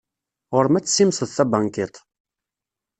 Ɣur-m ad tessimseḍ tabankiṭ.